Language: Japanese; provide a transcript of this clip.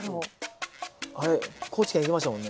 あれ高知県行きましたもんね。